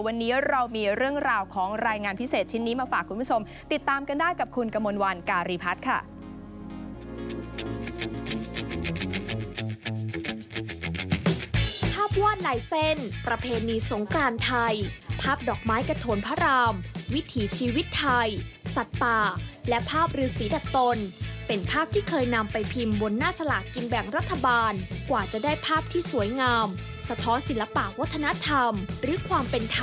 วันนี้เรามีเรื่องราวของรายงานพิเศษชิ้นนี้มาฝากคุณผู้ชมติดตามกันได้กับคุณกมลวันการีพัฒน์ค่ะ